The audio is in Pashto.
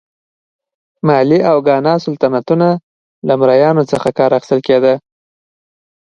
مالي او ګانا سلطنتونه له مریانو څخه کار اخیستل کېده.